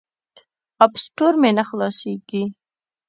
اپ سټور مې نه خلاصیږي.